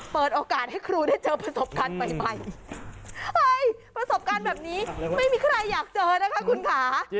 เปิดโอกาสให้ครูได้เจอประสบการณ์ใหม่เฮ้ยประสบการณ์แบบนี้ไม่มีใครอยากเจอนะคะคุณค่ะ